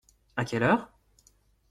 À quelle heure ?